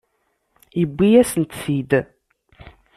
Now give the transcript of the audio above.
Yewwi-yasent-t-id.